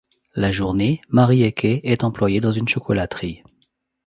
La journée Marieke est employée dans une chocolaterie.